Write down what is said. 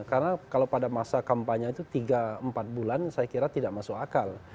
karena kalau pada masa kampanye itu tiga empat bulan saya kira tidak masuk akal